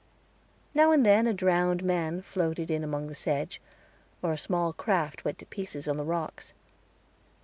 Now and then a drowned man floated in among the sedge, or a small craft went to pieces on the rocks.